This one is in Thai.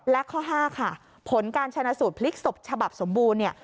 และข้อ๕ค่ะผลการชนะสูตรพลิกศพฉบับสมบูรณ์เนี่ย